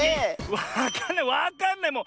わかんないわかんないもう。